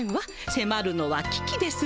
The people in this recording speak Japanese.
せまるのはききですわ。